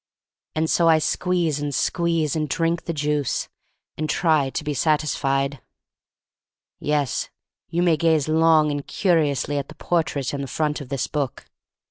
And so I squeeze and squeeze, and drink the juice, and try to be satisfied. Yes, you may gaze long and curi ously at the portrait in the front of this book.